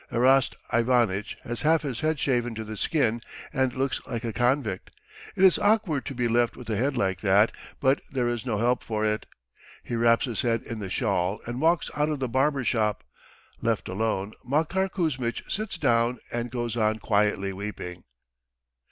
Erast Ivanitch has half his head shaven to the skin and looks like a convict. It is awkward to be left with a head like that, but there is no help for it. He wraps his head in the shawl and walks out of the barber's shop. Left alone, Makar Kuzmitch sits down and goes on quietly weeping.